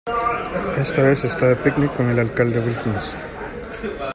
Esta vez está de picnic con el alcalde Wilkins.